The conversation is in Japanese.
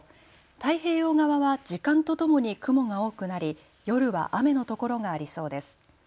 太平洋側は時間とともに雲が多くなり夜は雨のところがありそうです。